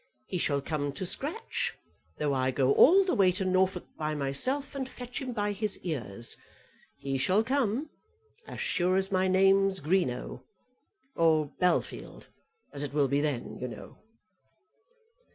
He shall come to the scratch, though I go all the way to Norfolk by myself and fetch him by his ears. He shall come, as sure as my name's Greenow, or Bellfield, as it will be then, you know."